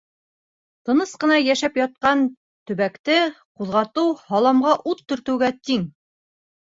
Тыныс ҡына йәшәп ятҡан төбәкте ҡуҙғытыу һаламға ут төртөүгә тиң.